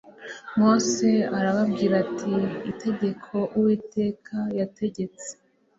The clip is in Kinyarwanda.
mose arababwira ati itegeko uwiteka yategetse